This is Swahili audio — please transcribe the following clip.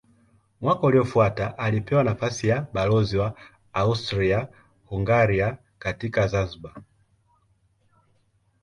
Mwaka uliofuata alipewa nafasi ya balozi wa Austria-Hungaria katika Zanzibar.